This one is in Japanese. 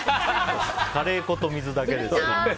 カレー粉と水だけのやつ。